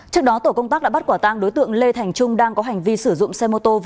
trước đó tổ công tác đã bắt quả tang đối tượng lê thành trung đang có hành vi sử dụng xe mô tô